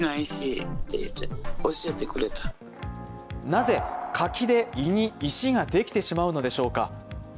なぜ柿で胃に石ができてしまうのでしょうか。